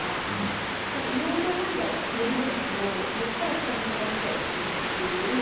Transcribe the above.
言おうと思えば言えるんだけど言ったら下に下がっちゃうしっていう。